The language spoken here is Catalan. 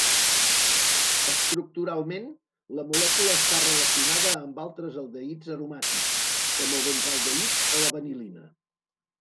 Estructuralment, la molècula està relacionada amb altres aldehids aromàtics, com el benzaldehid o la vanil·lina.